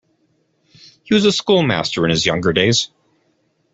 He was a schoolmaster in his younger days.